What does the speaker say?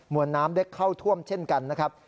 วนน้ำได้เข้าท่วมเช่นกันนะครับ